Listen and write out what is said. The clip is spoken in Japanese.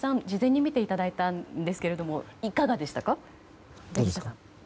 事前に見ていただいたんですけどもいかがでしたか？